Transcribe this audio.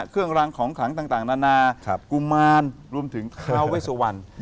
เครื่องรางของขลังต่างนานากุมารรวมถึงทาเวสวรรณ